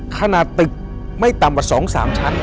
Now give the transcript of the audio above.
ขนาดตึกไม่ต่ำกว่า๒๓ชั้น